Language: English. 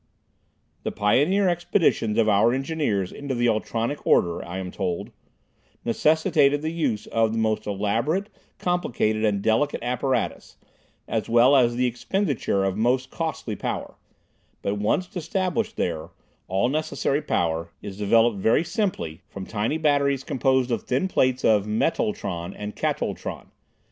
The pioneer expeditions of our engineers into the ultronic order, I am told, necessitated the use of most elaborate, complicated and delicate apparatus, as well as the expenditure of most costly power, but once established there, all necessary power is developed very simply from tiny batteries composed of thin plates of metultron and katultron.